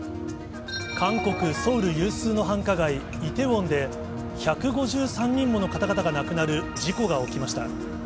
韓国・ソウル有数の繁華街、イテウォンで、１５３人もの方々が亡くなる事故が起きました。